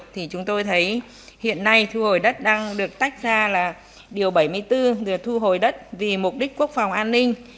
thì chúng tôi thấy hiện nay thu hồi đất đang được tách ra là điều bảy mươi bốn là thu hồi đất vì mục đích quốc phòng an ninh